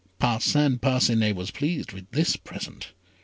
Parcin Parcinet was pleased with this present.